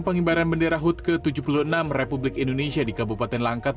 pengibaran bendera hut ke tujuh puluh enam republik indonesia di kabupaten langkat